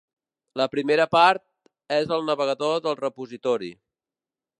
La primera part és el navegador del repositori.